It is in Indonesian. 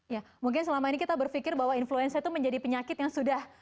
ya mungkin selama ini kita berpikir bahwa influenza itu menjadi penyakit yang sudah